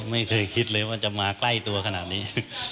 ไม่เคยคิดเลยว่าจะมาใกล้ตัวขนาดนี้